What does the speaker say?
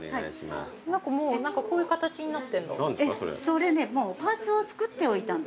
それねもうパーツを作っておいたんですね。